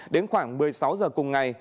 đến khoảng một mươi sáu h cùng ngày